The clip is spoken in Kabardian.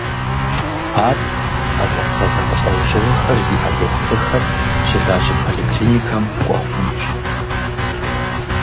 Ар ӀэщӀагъэ зэмылӀэужьыгъуэхэр зиӀэ дохутырхэр щылажьэ поликлиникэм кӀуэ хъунущ.